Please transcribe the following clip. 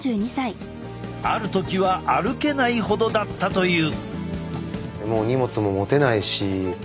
ある時は歩けないほどだったという。